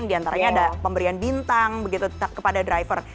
di antaranya ada pemberian bintang kepada driver